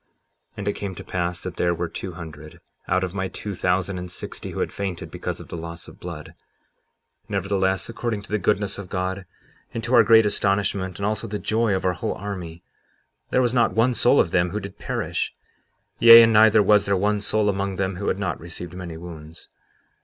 57:25 And it came to pass that there were two hundred, out of my two thousand and sixty, who had fainted because of the loss of blood; nevertheless, according to the goodness of God, and to our great astonishment, and also the joy of our whole army, there was not one soul of them who did perish; yea, and neither was there one soul among them who had not received many wounds.